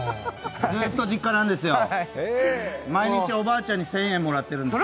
ずっと実家なんですよ、毎日おばあちゃんに１０００円もらってるんですよ。